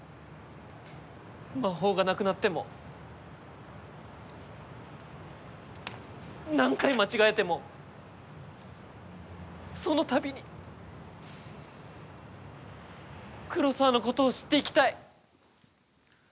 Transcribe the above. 魔法がなくなっても何回、間違えてもその度に黒沢のことを知っていきたい。